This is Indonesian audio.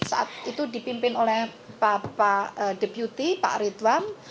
saat itu dipimpin oleh pak deputi pak ridwan